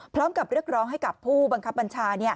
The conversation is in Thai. พร้อมกับเรียกร้องให้กับผู้บังคับบัญชา